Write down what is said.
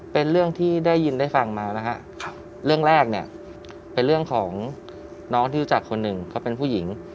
เป็นเรื่องที่ได้ยินได้ฟังมานะฮะเรื่องแรกเนี่ยเป็นเรื่องของน้องที่รู้จักคนหนึ่งเขาเป็นผู้หญิง